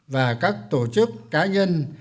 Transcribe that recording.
và các tổ chức cá nhân